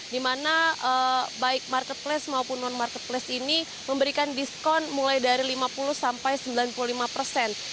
di mana baik marketplace maupun non marketplace ini memberikan diskon mulai dari lima puluh sampai sembilan puluh lima persen